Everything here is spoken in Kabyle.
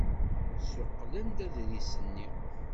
Ssuqqlen-d aḍris-nni.